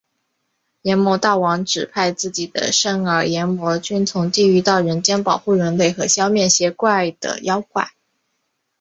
阎魔大王指派自己的甥儿炎魔君从地狱到人界保护人类和消灭邪恶的妖怪。